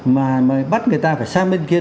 mà bắt người ta phải sang bên kia đường